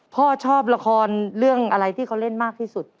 พ่อชอบละครเรื่องอะไรที่เขาเล่นมากที่สุด